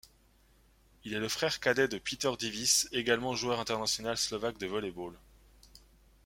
Il est le frère cadet de Peter Diviš, également joueur international slovaque de volley-ball.